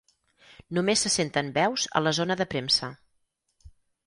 Només se senten veus a la zona de premsa.